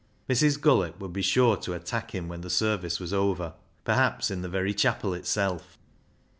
Mrs. Gullett would be sure to attack him when the service was over, perhaps in the very chapel itself.